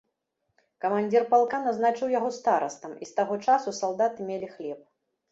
Камандзір палка назначыў яго старастам, і з таго часу салдаты мелі хлеб.